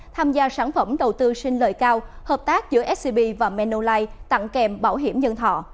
tham gia sản phẩm đầu tư xin lời cao hợp tác giữa scb và menolai tặng kèm bảo hiểm nhân thọ